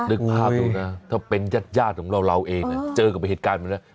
ถึงภาพดูนะถ้าเป็นญาติย่าดของเราเราเองเนี่ยเจอกับเหตุการณ์มันเนี่ย